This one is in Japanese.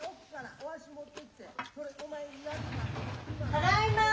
ただいま。